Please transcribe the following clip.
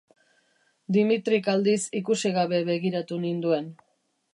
Dimitrik aldiz ikusi gabe begiratu ninduen.